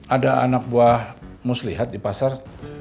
ada anak buah mus lihat di pasar